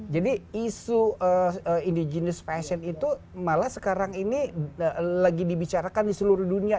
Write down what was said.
jadi isu indigenous fashion itu malah sekarang ini lagi dibicarakan di seluruh dunia